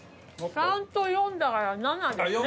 ３と４だから７ですね。